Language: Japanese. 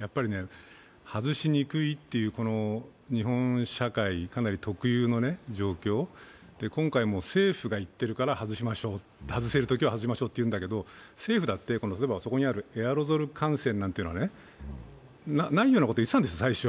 やっぱりね、外しにくいっていう日本社会のかなり特有の状況、今回も政府が言ってるから外せるときは外しましょうと言うんだけど政府だって、例えばあそこにエアロゾル感染なんて、ないようなことを最初言ってたんです。